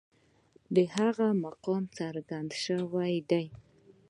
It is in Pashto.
د هغه مقام څرګند شوی دی.